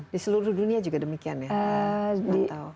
di seluruh dunia juga demikian ya